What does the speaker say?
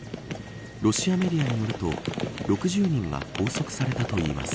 ロシアメディアによると６０人が拘束されたといいます。